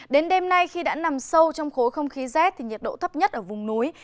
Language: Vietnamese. đến đêm nay khi đã nằm sâu trong khối không khí rét nhiệt độ thấp nhất ở vùng núi